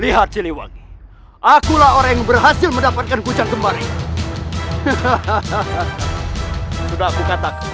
lihat sini wangi akulah orang yang berhasil mendapatkan kucang kembar itu hahaha sudah aku katakan